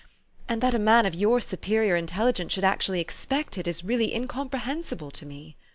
And that a man of your superior intelligence should actually expect it is really incomprehensible to me."